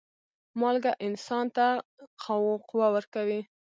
مالګه انسان ته قوه ورکوي.